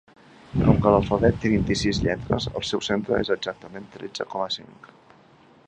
Com que l'alfabet té vint-i-sis lletres el seu centre és exactament tretze coma cinc.